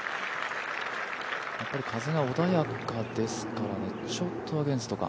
やっぱり風が穏やかですかね、ちょっとアゲンストか。